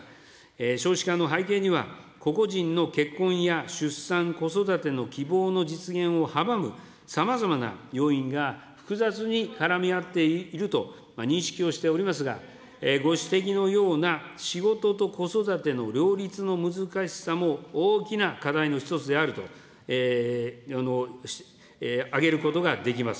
少子化の背景には、個々人の結婚や出産、子育ての希望の実現を阻むさまざまな要因が複雑に絡み合っていると認識をしておりますが、ご指摘のような仕事と子育ての両立の難しさも大きな課題の一つであると、挙げることができます。